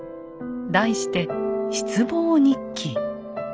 題して「失望日記」。